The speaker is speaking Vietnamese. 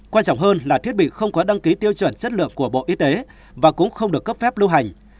quan trọng hơn là thiết bị không có đăng ký tiêu chuẩn chất lượng của bộ y tế và cũng không được cấp phép lưu hành